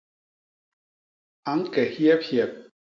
A ñke hyebhyep.